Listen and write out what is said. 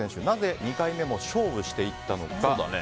なぜ２回目も勝負していったのか。